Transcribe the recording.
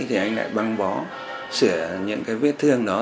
thì anh lại băng bó sửa những cái vết thương đó